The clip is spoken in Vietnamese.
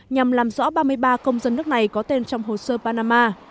nhằm làm rõ ba mươi ba công dân nước này có tên trong hồ sơ panama